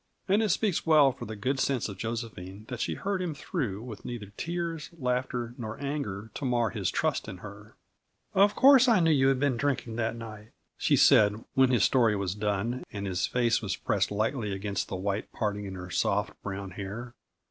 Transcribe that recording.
And it speaks well for the good sense of Josephine that she heard him through with neither tears, laughter, nor anger to mar his trust in her. "Of course, I knew you had been drinking, that night," she said, when his story was done, and his face was pressed lightly against the white parting in her soft, brown hair.